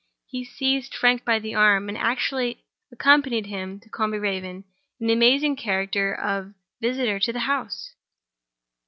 He seized Frank by the arm, and actually accompanied him to Combe Raven, in the amazing character of visitor to the house!